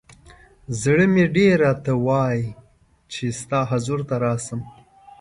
ز ړه مې ډېر راته وایی چې ستا حضور ته راشم.